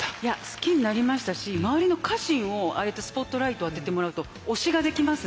好きになりましたし周りの家臣をああやってスポットライト当ててもらうと推しができますね。